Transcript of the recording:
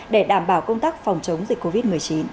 để đảm bảo công tác phòng chống dịch covid một mươi chín